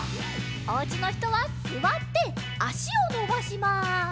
おうちのひとはすわってあしをのばします。